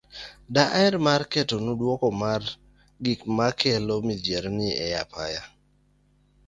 Daher mar ketonu duoko marwa mar gik makelo midhiero e apaya.